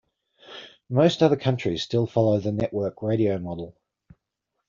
Most other countries still follow the network radio model.